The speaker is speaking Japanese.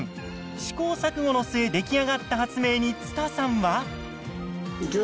試行錯誤の末出来上がった発明につたさんは。